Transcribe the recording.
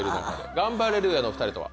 ガンバレルーヤのお２人とは？